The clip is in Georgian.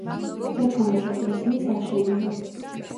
სტეფანეს ეკლესიის აშენება.